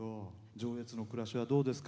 上越の暮らしはどうですか？